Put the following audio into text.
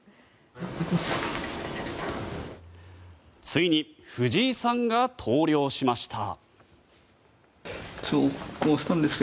ついに藤井さんが投了しました。